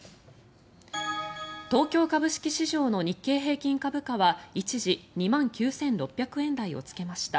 東京株式市場の日経平均株価は一時、２万９６００円台をつけました。